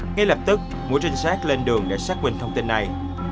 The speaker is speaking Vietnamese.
ngay lập tức mũi trinh sát lên đường để xác minh thông tin này